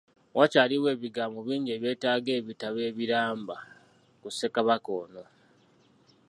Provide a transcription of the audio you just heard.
Wakyaliwo ebigambo bingi ebyetaaga ebitabo ebiramba ku Ssekabaka ono.